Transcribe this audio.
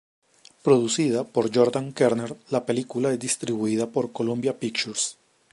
Producida por Jordan Kerner, la película es distribuida por Columbia Pictures.